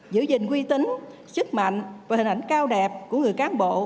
giữ gìn quy tính sức mạnh và hình ảnh cao đẹp của người cán bộ